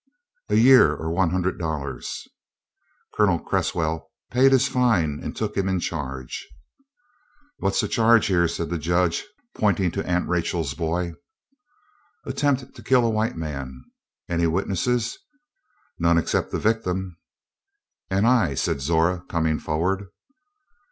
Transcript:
"A year, or one hundred dollars." Colonel Cresswell paid his fine, and took him in charge. "What's the charge here?" said the Judge, pointing to Aunt Rachel's boy. "Attempt to kill a white man." "Any witnesses?" "None except the victim." "And I," said Zora, coming forward.